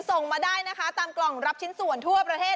ส่งมาได้นะคะตามกล่องรับชิ้นส่วนทั่วประเทศ